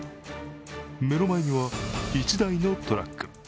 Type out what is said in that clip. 目の前には１台のトラック。